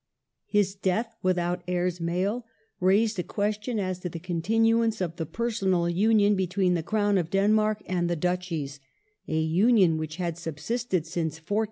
His death, without heii s male, raised a question as to the continuance of the personal union betw^een the Crown of Denmark and the Duchies — a Union which had subsisted since 1460.